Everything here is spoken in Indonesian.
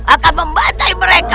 akan membantai mereka